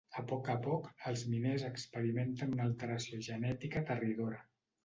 A poc a poc, els miners experimenten una alteració genètica aterridora.